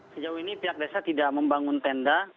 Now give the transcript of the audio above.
sejauh ini pihak desa tidak membangun tenda